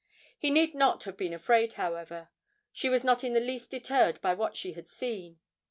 He need not have been afraid, however; she was not in the least deterred by what she had seen.